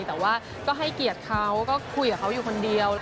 แต่ว่าก็ให้เกียรติเขาก็คุยกับเขาอยู่คนเดียว